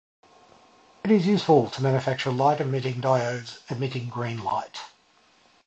It is used to manufacture light-emitting diodes emitting green light.